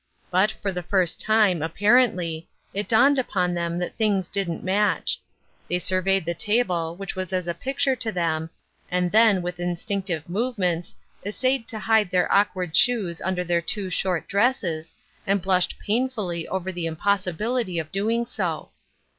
But, for the first time, apparently, it dawned upon them that things didn't match. They surveyed the table, which was as a picture to thecQ, and then, with instinctive movements, 326 Ruth Ershine'9 7ro««e«. essayed to hide their awkward shoes under their too short dresses, and blushed painfully over the impossibility of doing so.